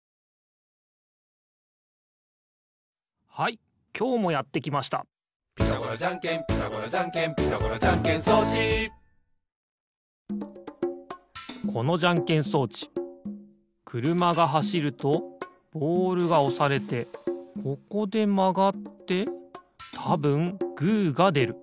はいきょうもやってきました「ピタゴラじゃんけんピタゴラじゃんけん」「ピタゴラじゃんけん装置」このじゃんけん装置くるまがはしるとボールがおされてここでまがってたぶんグーがでる。